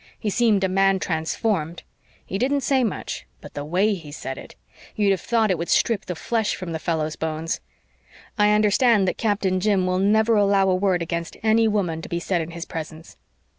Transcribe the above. He seemed a man transformed. He didn't say much but the way he said it! You'd have thought it would strip the flesh from the fellow's bones. I understand that Captain Jim will never allow a word against any woman to be said in his presence."